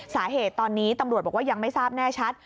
สาเหตุตอนนี้ตำรวจบอกว่ายังไม่ทราบแน่ชัด